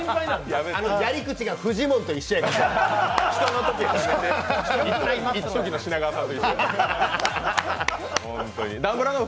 やり口がフジモンと一緒なの。